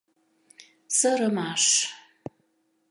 СЫРЫМАШ